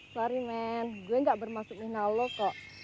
sorry men gue nggak bermasuk minah lo kok